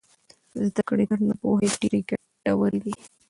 زده کړې تر ناپوهۍ ډېرې ګټورې دي.